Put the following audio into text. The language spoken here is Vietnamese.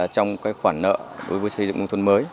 trong khoản nợ đối với xây dựng nông thôn mới